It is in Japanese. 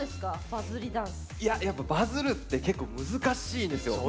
バズるって結構難しいですよ。